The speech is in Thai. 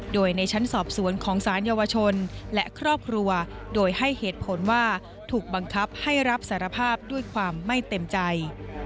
โดยในชั้นสอบสวนของสารเยาวชนและครอบครัวโดยให้เหตุผลว่าถูกบังคับให้รับสารภาพด้วยความไม่เต็มใจ